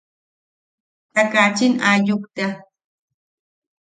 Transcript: Ta kachin aayuk tea.